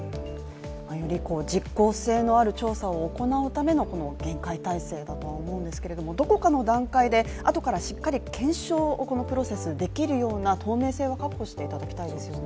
より実効性のある調査を行うための厳戒態勢だとは思うんですけどどこかの段階で、あとからしっかり検証をこのプロセスできるような透明性は確保していただきたいですよね。